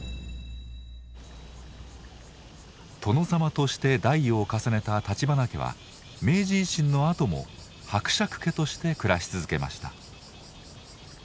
殿さまとして代を重ねた立花家は明治維新のあとも伯爵家として暮らし続けました。